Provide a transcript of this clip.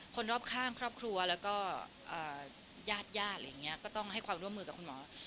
คนรอบข้างครอบครัวแล้วก็ญาติญาติอะไรอย่างนี้ก็ต้องให้ความร่วมมือกับคุณหมอ